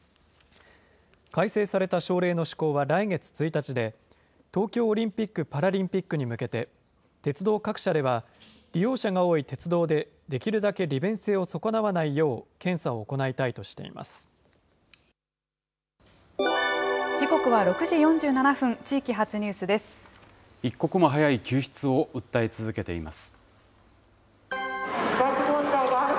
改正された省令の施行は来月１日で、東京オリンピック・パラリンピックに向けて、鉄道各社では、利用者が多い鉄道でできるだけ利便性を損なわないよう検査を行い時刻は６時４７分、地域発ニ一刻も早い救出を訴え続けています。